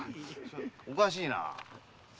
おかしいな？